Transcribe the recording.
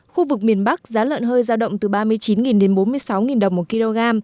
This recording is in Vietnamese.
khu vực miền bắc giá lợn hơi giao động từ ba mươi chín đến bốn mươi sáu đồng một kg